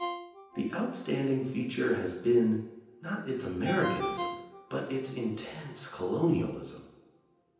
The outstanding feature has been not its Americanism but its intense colonialism.